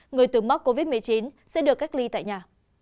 người từng mắc covid một mươi chín sẽ được cách ly tại nhà